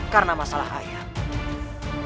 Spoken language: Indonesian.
karena masalah ayam